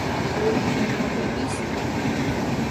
Kue onofai isirede